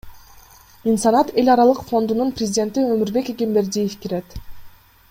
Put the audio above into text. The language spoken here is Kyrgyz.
Инсанат эл аралык фондунун президенти Өмурбек Эгембердиев кирет.